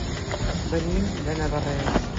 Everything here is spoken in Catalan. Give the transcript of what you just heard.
Venim de Navarrés.